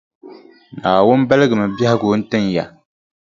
Naawuni baligimi biɛhigu n-tin ya.